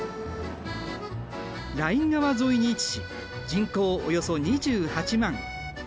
ライン川沿いに位置し人口およそ２８万。